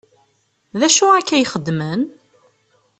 D acu akka ay xeddmen?